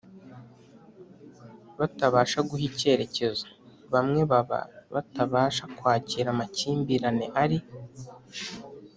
batabasha guha ikerekezo. bamwe baba batabasha kwakira amakimbirane ari